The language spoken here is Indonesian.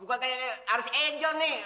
bukan kayak harus ejo nih